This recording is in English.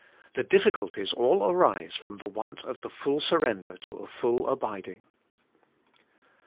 The difSculties all arise from the want of the full sur render to a full abiding.